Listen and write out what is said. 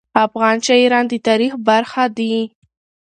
افغان شاعران د تاریخ برخه دي.